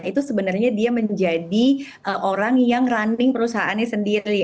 itu sebenarnya dia menjadi orang yang running perusahaannya sendiri